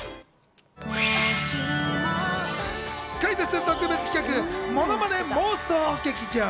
クイズッス特別企画、ものまね妄想劇場。